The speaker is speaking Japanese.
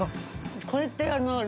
これってあの。